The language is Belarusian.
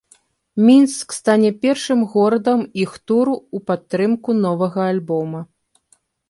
Мінск стане першым горадам іх туру ў падтрымку новага альбома.